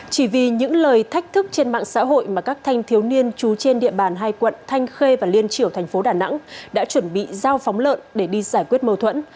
chỉ vì những lời thách thức trên mạng xã hội mà các thanh thiếu niên trú trên địa bàn hai quận thanh khê và liên triều thành phố đà nẵng đã chuẩn bị giao phóng lợn để đi giải quyết mâu thuẫn